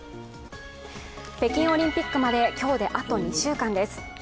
北京オリンピックまで今日であと２週間です。